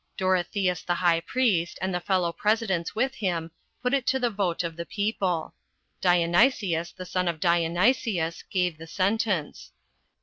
Dorotheus the high priest, and the fellow presidents with him, put it to the vote of the people. Dionysius, the son of Dionysius, gave the sentence.